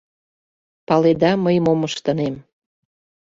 — Паледа, мый мом ыштынем?